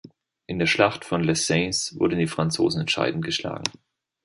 In der Schlacht von Les Saintes wurden die Franzosen entscheidend geschlagen.